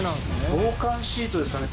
防寒シートですかね？